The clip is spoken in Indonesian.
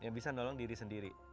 yang bisa nolong diri sendiri